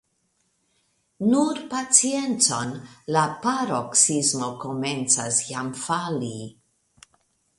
Nur paciencon, la paroksismo komencas jam fali.